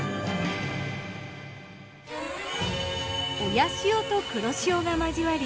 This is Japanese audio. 親潮と黒潮が交わり